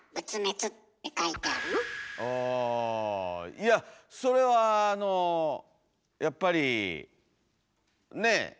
あいやそれはあのやっぱりねえ？